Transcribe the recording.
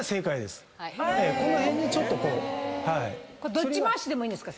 どっち回しでもいいんですか？